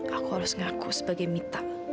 aku harus ngaku sebagai mita